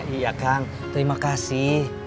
iya kang terima kasih